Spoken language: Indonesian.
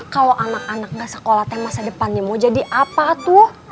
kalau anak anak gak sekolah masa depannya mau jadi apa tuh